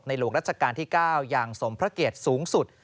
หลวงรัชกาลที่๙อย่างสมพระเกียรติสูงสุด